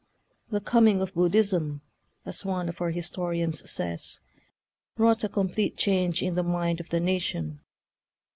" The coming of Buddhism," as one of our historians says, "wrought a complete change in the mind of the na tion.